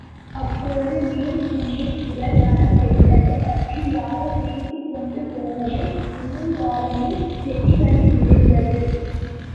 அப்போது நேருஜியின் உடல் நலம் கெட்டது பற்றி யாரோ பேசிக்கொண்டு போனது உமைபாலனின் செவிகளில் விழுந்தது.